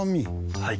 はい。